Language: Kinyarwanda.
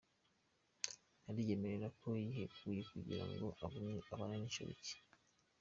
Ariyemerera ko yihekuye kugira ngo abane n’inshoreke